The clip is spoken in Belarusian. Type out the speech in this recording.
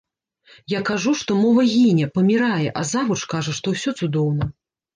Я кажу, што мова гіне, памірае, а завуч кажа, што ўсё цудоўна.